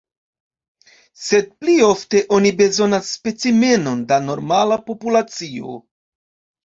Sed pli ofte oni bezonas specimenon da normala populacio.